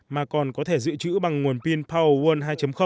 mà còn có thể dự trữ bằng nguồn pin power một hai